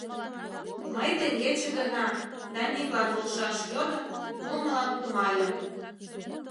— Мый теҥгече гына Даниклан полшаш йодын Юмылан кумальым.